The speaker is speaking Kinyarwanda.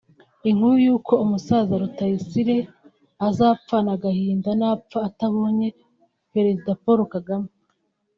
Inkuru y’uko umusaza Rutayisire azapfana agahinda napfa atabonye Perezida Paul Kagame